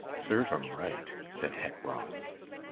"Serve him right," said Hec Ross.